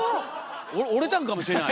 折れたんかもしれない！